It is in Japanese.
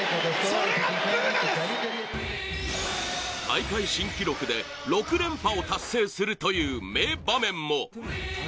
大会新記録で６連覇を達成するという名場面も。